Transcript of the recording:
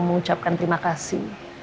mengucapkan terima kasih